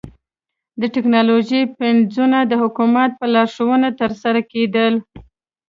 د ټکنالوژۍ پنځونه د حکومت په لارښوونه ترسره کېدل